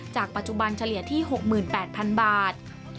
จากปัจจุบันเฉลี่ยที่๖๘๐๐๐บาท